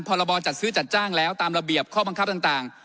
พรบจัดซื้อจัดจ้างแล้วตามระเบียบข้อบังคับต่าง